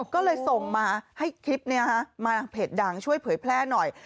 ก็เลยส่งมาให้คลิปนี้มาทางเพจดังช่วยเผยแพร่หน่อย